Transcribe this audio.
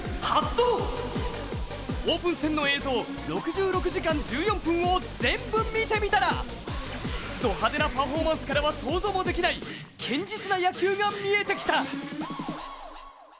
発動オープン戦の映像６６時間１４分をぜんぶ見てみたらド派手なパフォーマンスからは想像もできない堅実な野球が見えてきた！